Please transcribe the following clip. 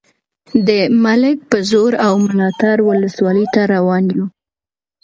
د ملک په زور او ملاتړ ولسوالۍ ته روان یو.